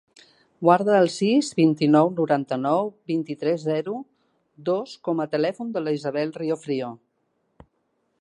Guarda el sis, vint-i-nou, noranta-nou, vint-i-tres, zero, dos com a telèfon de l'Isabel Riofrio.